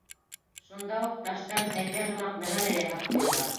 Шунда уҡ таштан һәйкәл һымаҡ нәмә лә яһап ҡуйылған.